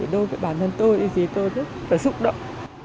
đối với bản thân tôi thì tôi rất là xúc động